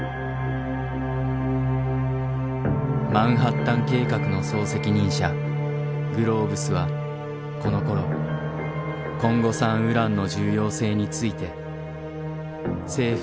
マンハッタン計画の総責任者グローブスはこのころコンゴ産ウランの重要性について政府中枢にこう報告していた。